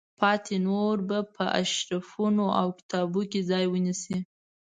پاتې نورې به په ارشیفونو او کتابونو کې ځای ونیسي.